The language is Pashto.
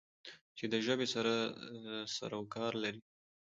چې د ژبې سره سرو کار لری